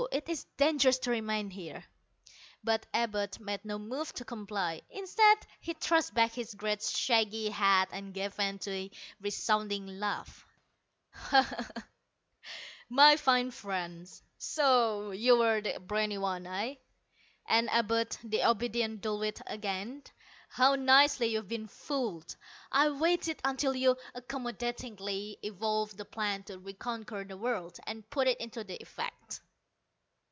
It is dangerous to remain here." But Abud made no move to comply. Instead he thrust back his great shaggy head and gave vent to a resounding laugh. "Ho ho, my fine friends! So you were the brainy ones, eh? And Abud, the obedient dull wit again? How nicely you've been fooled! I waited until you accommodatingly evolved the plan to reconquer the world, and put it into effect.